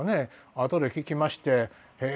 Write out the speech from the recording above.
あとで聞きまして。